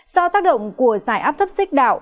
do tác động của giải áp thấp xích đảo